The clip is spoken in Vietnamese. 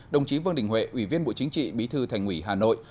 đồng chí vương đình huệ ủy viên bộ chính trị bí thư thành ủy hà nội